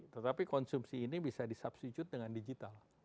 tetapi konsumsi ini bisa di substitute dengan digital